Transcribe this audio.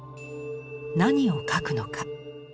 「何を描くのか？」。